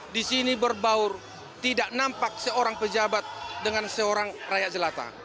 di sini berbaur tidak nampak seorang pejabat dengan seorang rakyat jelata